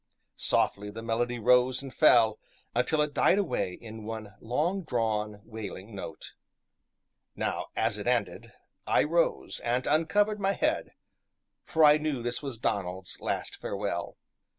Softly the melody rose and fell, until it died away in one long drawn, wailing note. Now, as it ended, I rose, and uncovered my head, for I knew this was Donald's last farewell.